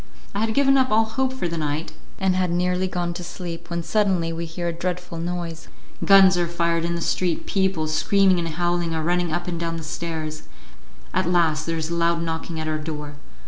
I had given up all hope for the night, and had nearly gone to sleep, when suddenly we hear a dreadful noise. Guns are fired in the street, people, screaming and howling, are running up and down the stairs; at last there is a loud knocking at our door.